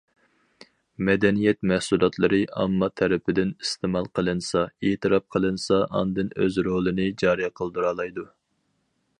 مەدەنىيەت مەھسۇلاتلىرى ئامما تەرىپىدىن ئىستېمال قىلىنسا، ئېتىراپ قىلىنسا، ئاندىن ئۆز رولىنى جارى قىلدۇرالايدۇ.